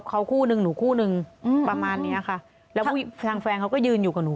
เขาคู่นึงหนูคู่นึงประมาณเนี้ยค่ะแล้วทางแฟนเขาก็ยืนอยู่กับหนู